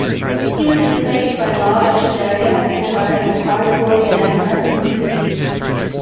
He was replaced by Rob Echeverria, guitarist of hardcore band Rest in Pieces.